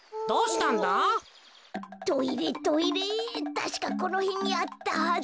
たしかこのへんにあったはず。